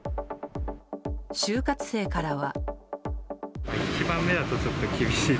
就活生からは。